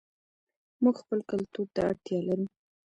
موږ خپل کلتور ته اړتیا لرو.